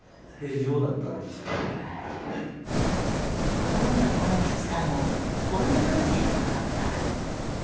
ところが、この２日後コロナ感染が発覚。